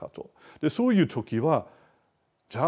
そういう時はじゃあ